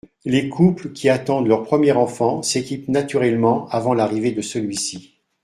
Les couples qui attendent leur premier enfant s’équipent naturellement avant l’arrivée de celui-ci.